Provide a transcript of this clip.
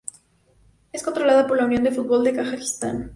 Es controlada por la Unión de Fútbol de Kazajistán.